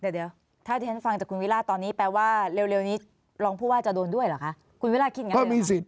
เดี๋ยวถ้าเดี่ยงฟังจากคุณวิราศตอนนี้แล้วเร็วลองผู้ว่าจะโดนด้วยหรือคะ